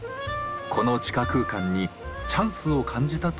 この地下空間にチャンスを感じたといいます。